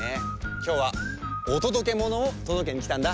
きょうはおとどけものをとどけにきたんだ。